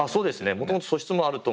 もともと素質もあると思います。